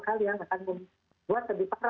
jadi kita harus memperbaiki pandemi